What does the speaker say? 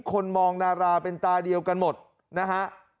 คนมองดาราเป็นตาเดียวกันหมดนะฮะ